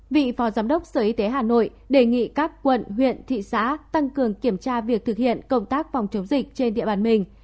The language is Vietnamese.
vị phó giám đốc sở y tế hà nội đề nghị các quận huyện thị xã tăng cường kiểm tra việc thực hiện công tác phòng chống dịch trên địa bàn mình